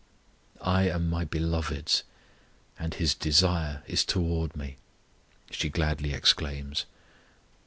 I am my Beloved's, And His desire is toward me, she gladly exclaims.